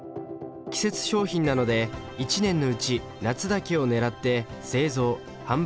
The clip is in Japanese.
季節商品なので１年のうち夏だけを狙って製造・販売しています。